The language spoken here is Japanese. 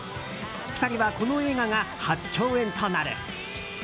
２人はこの映画が初共演となる。